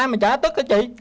ai mà trả tức hả chị